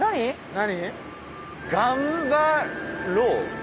何？